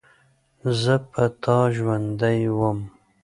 زه په تا ژوندۍ وم.